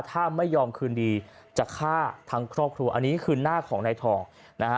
ถ้าไม่ยอมคืนดีจะฆ่าทั้งครอบครัวอันนี้คือหน้าของนายทองนะฮะ